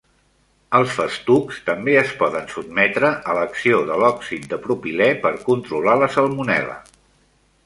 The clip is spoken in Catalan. Els festucs també es poden sotmetre a l'acció de l'òxid de propilè per controlar la salmonel·la.